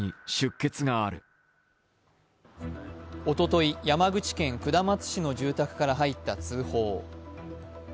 おととい、山口県下松市の住宅から入った通報。